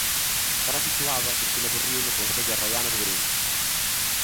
Estará situada, Cristina Dorrío, no concello arraiano de Verín.